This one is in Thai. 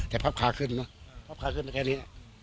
แต่พับขาขึ้นเนอะพับขาขึ้นแค่นี้